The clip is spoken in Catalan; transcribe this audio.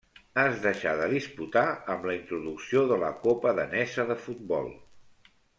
Es deixà de disputar amb la introducció de la Copa danesa de futbol.